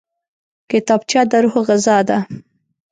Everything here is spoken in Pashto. کتابچه د روح غذا ده